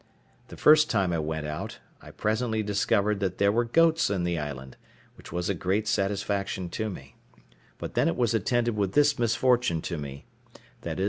The first time I went out, I presently discovered that there were goats in the island, which was a great satisfaction to me; but then it was attended with this misfortune to me—viz.